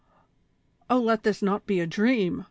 O let this not be a dream